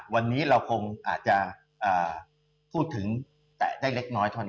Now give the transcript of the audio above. วันนี้เราคงอาจจะพูดถึงแตะได้เล็กน้อยเท่านั้น